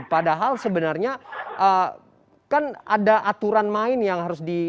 padahal sebenarnya kan ada aturan main yang harus di